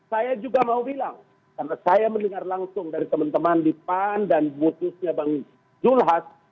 saya juga mau bilang karena saya mendengar langsung dari teman teman di pan dan putusnya bang zulhas